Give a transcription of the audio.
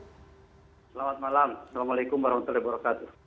selamat malam assalamualaikum warahmatullahi wabarakatuh